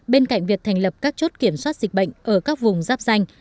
bên cạnh việc thành lập các chốt kiểm soát dịch bệnh ở các vùng giáp danh